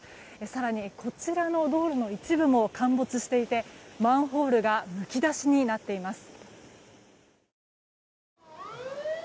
更にこちらの道路の一部も陥没していてマンホールがむき出しになっています。